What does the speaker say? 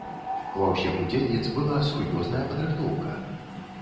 Ва ўсіх удзельніц была сур'ёзная падрыхтоўка.